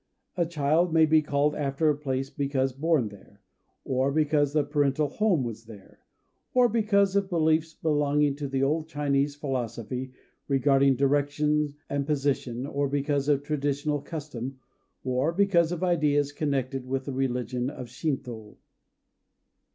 A child may be called after a place because born there, or because the parental home was there, or because of beliefs belonging to the old Chinese philosophy regarding direction and position, or because of traditional custom, or because of ideas connected with the religion of Shintô.